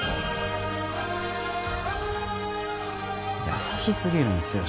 優しすぎるんっすよ